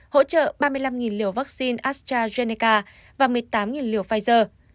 hỗ trợ ba mươi năm liều vaccine astrazeneca và một mươi tám liều pfizer